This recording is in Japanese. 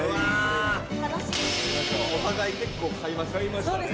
楽しい。お互い結構買いましたね。